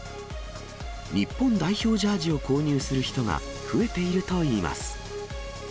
日本代表ジャージを購入する人が増えているといいます。